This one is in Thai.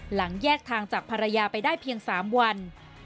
หลังแยกทางจากภรรยาไปได้เพียง๓วัน